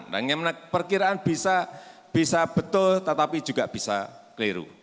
dan perkiraan bisa betul tetapi juga bisa kleru